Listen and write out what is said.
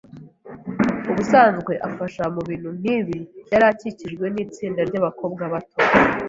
Ubusanzwe amfasha mubintu nkibi. yari akikijwe n'itsinda ry'abakobwa bato.